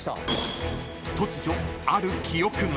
［突如ある記憶が］